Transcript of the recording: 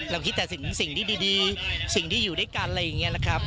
คิดแต่ถึงสิ่งที่ดีสิ่งที่อยู่ด้วยกันอะไรอย่างนี้นะครับ